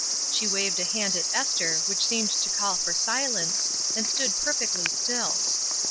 She waved a hand at Esther which seemed to call for silence, and stood per fectly still.